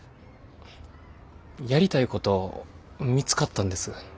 やりたいこと見つかったんです。